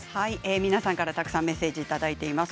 皆さんからメッセージをいただいています。